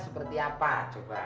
sekarang tinggal belajar lo ya pak